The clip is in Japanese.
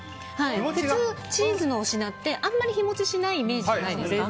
普通、チーズのお品ってあまり日持ちがしないイメージじゃないですか。